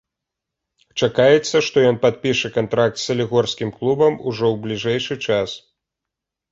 Чакаецца, што ён падпіша кантракт з салігорскім клубам ужо ў бліжэйшы час.